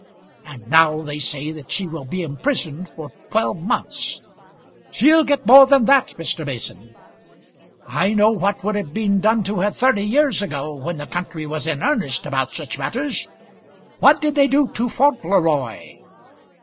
And now they say that she will be imprisoned for twelve months!" "She'll get more than that, Mr. Mason." "I know what would have been done to her thirty years ago, when the country was in earnest about such matters. What did they do to Fauntleroy?"